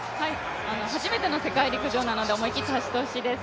初めての世界陸上なので思い切って走ってほしいです。